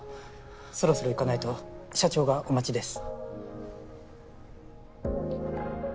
そろそろ行かないと社長がお待ちです。